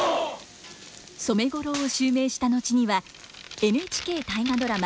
染五郎を襲名した後にはＮＨＫ大河ドラマ